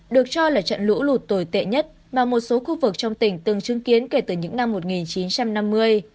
được cho là trận lũ lụt tồi tệ nhất mà một số khu vực trong tỉnh từng chứng kiến kể từ những năm một nghìn chín trăm năm mươi